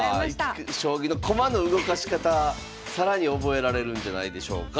将棋の駒の動かし方更に覚えられるんじゃないでしょうか。